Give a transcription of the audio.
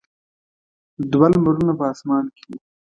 دوه لمرونه په اسمان کې وو.